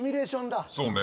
そうね。